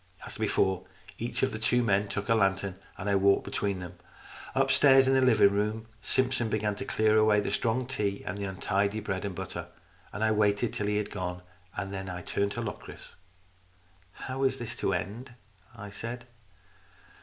As before each of the two men took a lantern, and I walked between them. Upstairs in the living room, Simpson began to clear away the strong tea and the untidy bread and butter. I waited until he had gone, and then I turned to Locris. " How is this to end ?" I said.